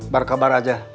baru kabar aja